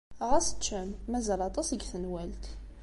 Ɣas ččem. Mazal aṭas deg tenwalt.